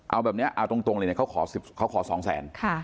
เอาแบบนี้เอาตรงเลยเนี่ยเค้าขอสองแสน